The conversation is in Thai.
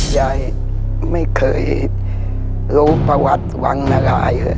ยายไม่เคยรู้ประวัติวังนารายเลย